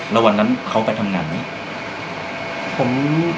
แล้ววันนั้นเขาไปทำงานไหม